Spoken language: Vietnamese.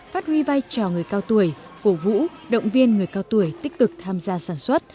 phát huy vai trò người cao tuổi cổ vũ động viên người cao tuổi tích cực tham gia sản xuất